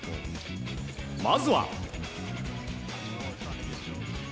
まずは。